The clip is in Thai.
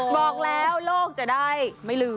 บอกแล้วโลกจะได้ไม่ลืม